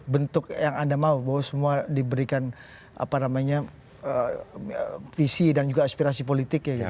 bentuk yang anda mau bahwa semua diberikan visi dan juga aspirasi politik